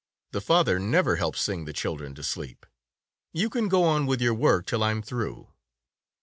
The father never helps sing the children to sleep. You can go on with your work till I'm through."